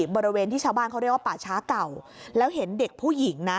บริเวณที่ชาวบ้านเขาเรียกว่าป่าช้าเก่าแล้วเห็นเด็กผู้หญิงนะ